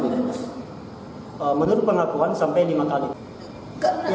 menurut pengakuan sampai lima kali